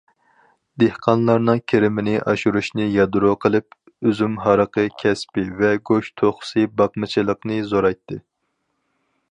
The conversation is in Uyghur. دېھقانلارنىڭ كىرىمىنى ئاشۇرۇشنى يادرو قىلىپ، ئۈزۈم ھارىقى كەسپى ۋە گۆش توخۇسى باقمىچىلىقىنى زورايتتى.